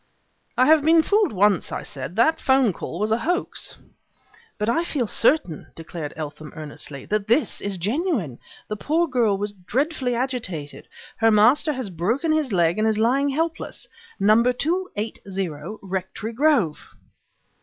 "I have been fooled once," I said. "That 'phone call was a hoax " "But I feel certain," declared Eltham, earnestly, "that this is genuine! The poor girl was dreadfully agitated; her master has broken his leg and is lying helpless: number 280, Rectory Grove."